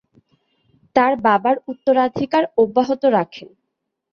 তার বাবার উত্তরাধিকার অব্যাহত রাখেন।